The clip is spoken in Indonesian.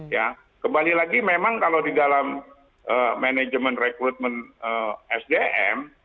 ya kembali lagi memang kalau di dalam manajemen rekrutmen sdm